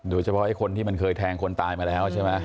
โดยเฉพาะไอ้คนที่มันเคยแทงคนตายมาแล้วใช่ไหม